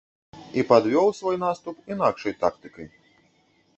І падвёў свой наступ інакшай тактыкай.